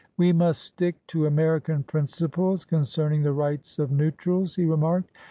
"We must stick to American principles con cerning the rights of neutrals," he remarked.